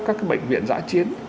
các bệnh viện giã chiến